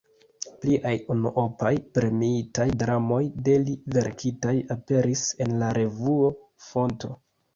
Pliaj unuopaj premiitaj dramoj de li verkitaj aperis en la revuo "Fonto".